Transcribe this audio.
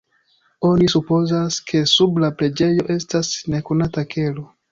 Oni supozas, ke sub la preĝejo estas nekonata kelo.